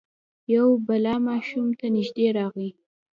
یو بلا ماشوم ته نژدې راغی.